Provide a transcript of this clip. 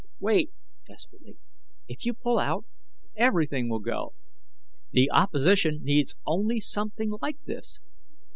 "Wait" desperately "if you pull out, everything will go. The opposition needs only something like this.